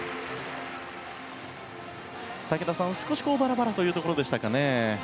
武田さん、少しバラバラというところでしたかね。